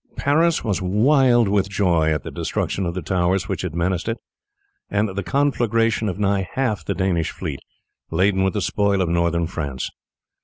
Paris was wild with joy at the destruction of the towers which had menaced it, and the conflagration of nigh half the Danish fleet, laden with the spoil of northern France.